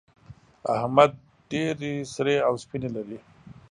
احمد ډېر سرې او سپينې لري.